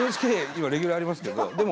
今レギュラーありますけどでも。